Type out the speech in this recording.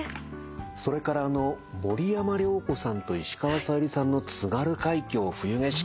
それから森山良子さんと石川さゆりさんの『津軽海峡・冬景色』